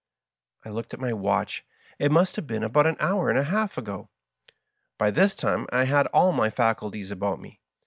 I looked at my watch : it must have been about an hour and a half ago. By this time I had all my faculties about me.